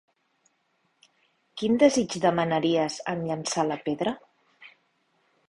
Quin desig demanaries en llançar la pedra?